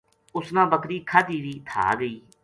اس نا بکری کھادی وی تھا گئی